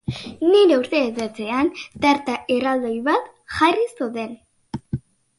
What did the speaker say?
Biltzarra ospatu zuen, bertan taldea hiru zatitan banatu zen.